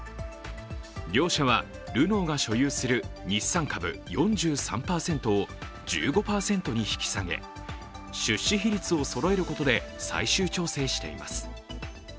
両社は、ルノーが所有する日産株４３％を１５％に引き下げ、出資比率をそろえることで最終調整しています。